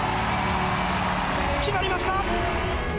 決まりました！